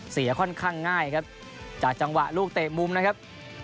ค่อนข้างง่ายครับจากจังหวะลูกเตะมุมนะครับ